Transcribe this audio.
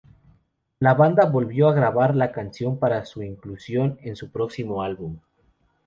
La banda volvió a grabar la canción para su inclusión en su próximo álbum.